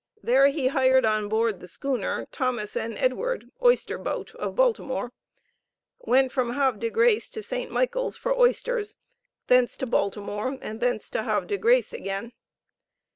There he hired on board the schooner Thomas and Edward (oyster boat), of Baltimore. Went from Havre de Grace to St. Michael's, for oysters, thence to Baltimore, and thence to Havre de Grace again.